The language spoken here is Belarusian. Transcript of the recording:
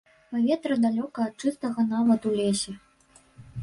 Паветра далёка ад чыстага нават у лесе.